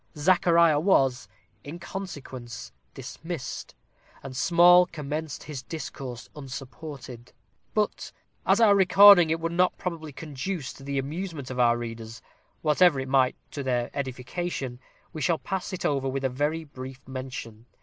Zachariah was, in consequence, dismissed, and Small commenced his discourse unsupported. But as our recording it would not probably conduce to the amusement of our readers, whatever it might to their edification, we shall pass it over with very brief mention.